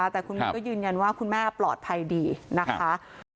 แต่คุณแม่ก็ยืนยันว่าคุณแม่ปลอดภัยดีนะคะ